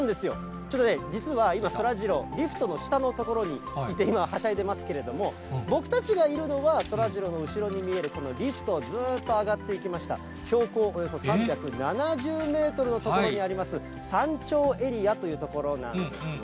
ちょっとね、実は今、そらジロー、リフトの下の所にいて、今、はしゃいでいますけれども、僕たちがいるのは、そらジローの後ろに見えるリフトを、ずっと上がっていきました、標高およそ３７０メートルの所にあります、山頂エリアという所なんですね。